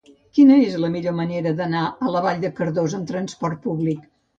Quina és la millor manera d'anar a Vall de Cardós amb trasport públic?